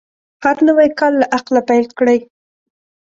هر نوی کار له عقله پیل کړئ.